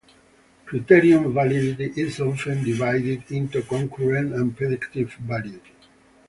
Criterion validity is often divided into concurrent and predictive validity.